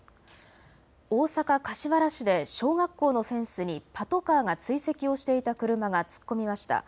大阪柏原市で小学校のフェンスにパトカーが追跡をしていた車が突っ込みました。